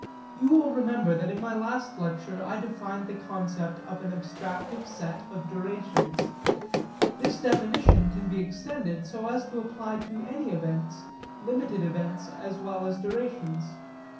You will remember that in my last lecture I defined the concept of an abstractive set of durations. This definition can be extended so as to apply to any events, limited events as well as durations.